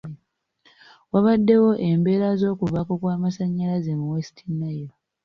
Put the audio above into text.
Wabaddewo embeera z'okuvaako kw'amasanyalaze mu West Nile.